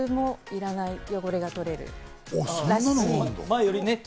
いらないくらい汚れが取れるらしい。